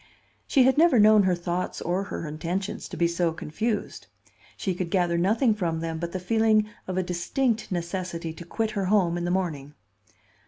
She had never known her thoughts or her intentions to be so confused. She could gather nothing from them but the feeling of a distinct necessity to quit her home in the morning.